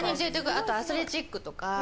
あとアスレチックとか。